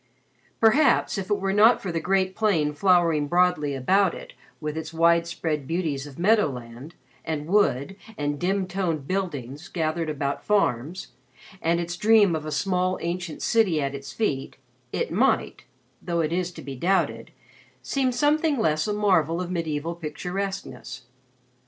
Perhaps, if it were not for the great plain flowering broadly about it with its wide spread beauties of meadow land, and wood, and dim toned buildings gathered about farms, and its dream of a small ancient city at its feet, it might though it is to be doubted seem something less a marvel of medieval picturesqueness.